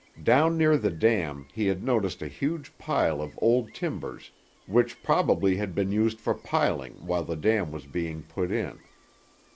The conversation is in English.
Down near the dam he had noticed a huge pile of old timbers which probably had been used for piling while the dam was being put in.